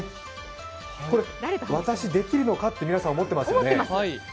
私、できるのかって皆さん思ってますよね。